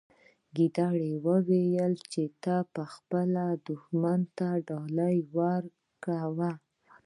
ګیدړې وویل چې ته خپل دښمن ته ډالۍ ورکوي.